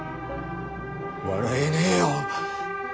笑えねえよ。